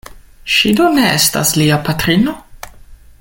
Ŝi do ne estas lia patrino?